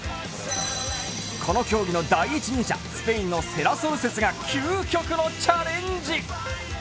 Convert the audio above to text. この競技の第一人者、スペインのセラソルセスが究極のチャレンジ。